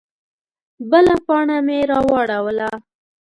_بله پاڼه مې راواړوله.